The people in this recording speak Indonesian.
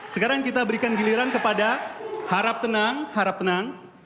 sekarang kita berikan giliran kepada harap tenang harap tenang